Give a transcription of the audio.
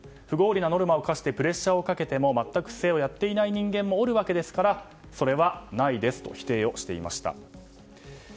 不合理なノルマを課してプレッシャーをかけても全く不正はやっていない人間もおるわけですからそれはないですと否定していました。